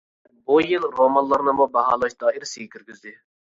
بۇ يىل رومانلارنىمۇ باھالاش دائىرىسىگە كىرگۈزدى.